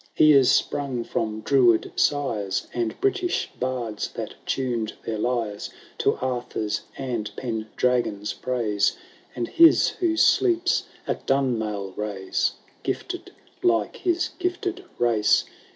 He is sprung from Druid sires, And British bards that tuned their lyres To Arthur's and Pendragon's praise, And his who sleeps at Dunmailraise.^ GKfted like his gifted race.